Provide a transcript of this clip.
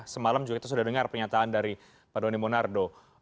semalam juga kita sudah dengar pernyataan dari pak doni monardo